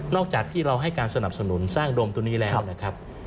จากที่เราให้การสนับสนุนสร้างโดมตัวนี้แล้วนะครับ